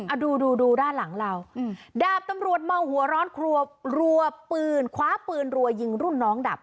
ดูดูดูด้านหลังเราอืมดาบตำรวจเมาหัวร้อนครัวรัวปืนคว้าปืนรัวยิงรุ่นน้องดับ